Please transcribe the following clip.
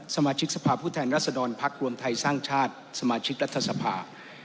สมาชิกสภาพุทธแห่งรัฐสดรพรรครวมไทยสร้างชาติสมาชิกรัฐสภา